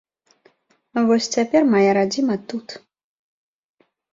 Вось цяпер мая радзіма тут.